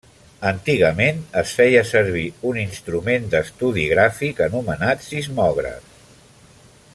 Antigament es feia servir un l'instrument d'estudi gràfic anomenat sismògraf.